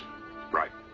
はい。